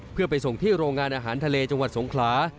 เพื่อไปส่งที่โรงงานอาหารทะเลจังหวัดสงขลา